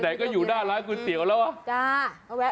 แต่ก็อยู่หน้าร้านก๋วยเตี๋ยวแล้วอ่ะ